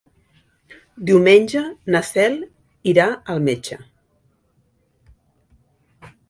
Diumenge na Cel irà al metge.